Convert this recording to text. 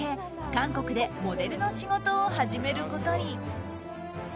韓国でモデルの仕事を始めることに。